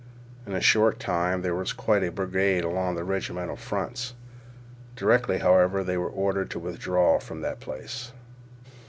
In a short time there was quite a barricade along the regimental fronts. Directly, however, they were ordered to withdraw from that place.